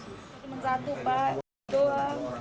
cuma satu pak dua orang